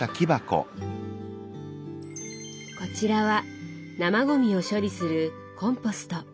こちらは生ゴミを処理するコンポスト。